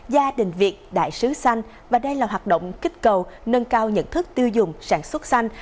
gia đình việt đại sứ xanh và đây là hoạt động kích cầu nâng cao nhận thức tiêu dùng sản xuất xanh